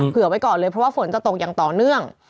ไว้ก่อนเลยเพราะว่าฝนจะตกอย่างต่อเนื่อง